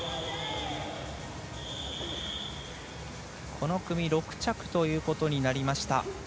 この組６着ということになりました。